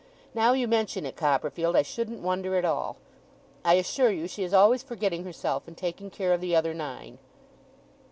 Now you mention it, Copperfield, I shouldn't wonder at all. I assure you she is always forgetting herself, and taking care of the other nine.